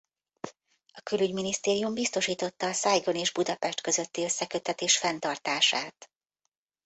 A külügyminisztérium biztosította a Saigon és Budapest közötti összeköttetés fenntartását.